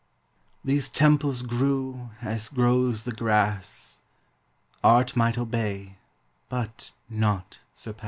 These temples grew as grows the grass ; Art might obey, but not surpass.